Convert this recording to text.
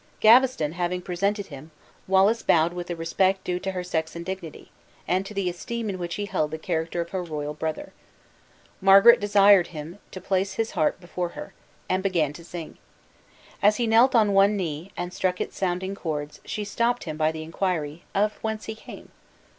Gaveston having presented him, Wallace bowed with the respect due to her sex and dignity, and to the esteem in which he held the character of her royal brother. Margaret desired him to place his harp before her, and begin to sing. As he knelt on one knee, and struck its sounding chords, she stopped him by the inquiry, of whence he came?